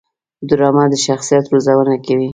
ډرامه د شخصیت روزنه کوي